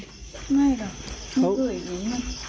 ไม่หรอก